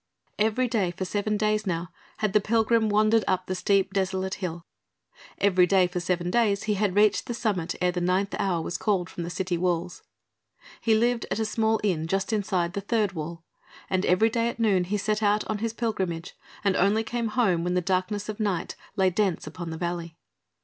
Every day for seven days now had the pilgrim wandered up the steep desolate hill. Every day for seven days he had reached the summit ere the ninth hour was called from the city walls. He lived at a small inn just inside the third wall, and every day at noon he set out upon his pilgrimage and only came home when the darkness of the night lay dense upon the valley.